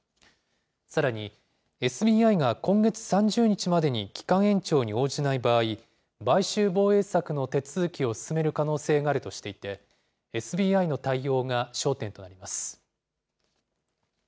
さらに、ＳＢＩが今月３０日までに期間延長に応じない場合、買収防衛策の手続きを進める可能性があるとしていて、ＳＢＩの対応が焦点となります。